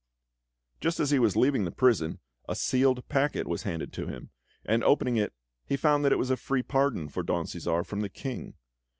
Just as he was leaving the prison, a sealed packet was handed to him, and opening it, he found that it was a free pardon for Don Cæsar from the King.